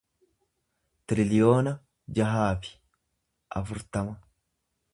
tiriliyoona jaha fi afurtama